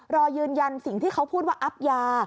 รอยืนยันสิ่งที่เขาพูดว่าอับยา